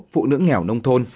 phụ nữ nghèo nông thôn